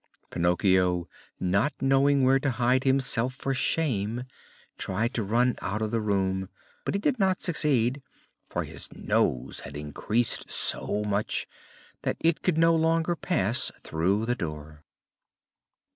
Pinocchio, not knowing where to hide himself for shame, tried to run out of the room; but he did not succeed, for his nose had increased so much that it could no longer pass through the door.